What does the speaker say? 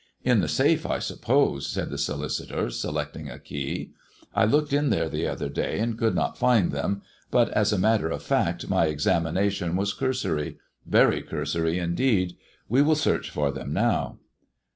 " In the safe, I suppose," said the solicitor, selecting a key. " I looked in there the other day, and could not find them ; but as a matter of fact my examination was cursory — very cursory indeed. "We will search for them now."